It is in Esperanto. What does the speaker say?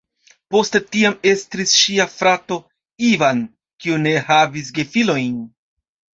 Poste tiam estris ŝia frato "Ivan", kiu ne havis gefilojn.